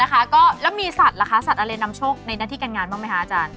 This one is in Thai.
แล้วมีสัตว์ล่ะคะสัตว์อะไรนำโชคในหน้าที่การงานบ้างไหมคะอาจารย์